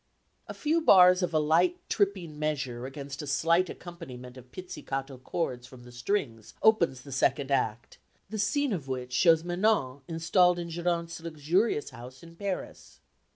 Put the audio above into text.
A few bars of a light tripping measure against a slight accompaniment of pizzicato chords from the strings opens the second act, the scene of which shows Manon installed in Geronte's luxurious house in Paris.